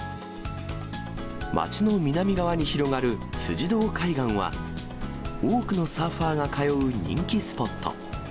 街の南側に広がる辻堂海岸は、多くのサーファーが通う人気スポット。